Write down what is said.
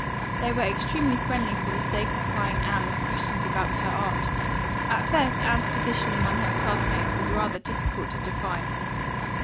They were extremely friendly for the sake of plying Anne with questions about her art. At first Anne's position among her classmates was rather difficult to define.